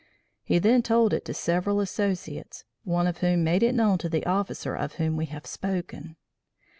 He then told it to several associates, one of whom made it known to the officer of whom we have spoken.